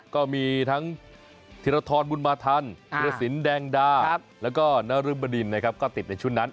ก็มีทั้งธิรธรป์บุญมาธรรมเรศินดุ์แดงดาแล้วก็หน้ารุมฤมณินครับก็ติดในชุดนั้น